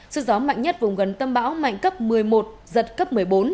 sự gió mạnh nhất vùng gần tâm báo mạnh cấp một mươi một giật cấp một mươi bốn